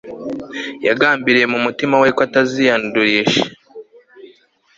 Yagambiriye mu mutima we ko ataziyandurisha